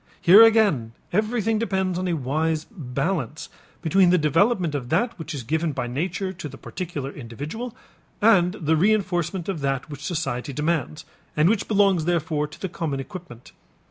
Here again everything depends upon a wise balance between the development of that which is given by nature to the particular individual and the reënforcement of that which society demands and which belongs therefore to the common equipment.